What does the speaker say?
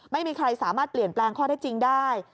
ไม่มีใครสามารถเปลี่ยนแปลงข้อได้จริงได้